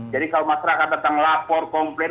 jadi kalau masyarakat datang lapor kompornas